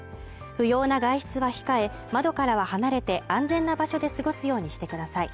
不要な外出は控え窓からは離れて安全な場所で過ごすようにしてください